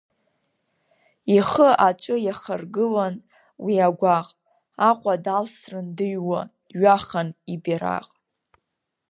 Ихы аҵәы иахаргылан, уи агәаҟ, Аҟәа далсрын дыҩуа, дҩахан ибираҟ.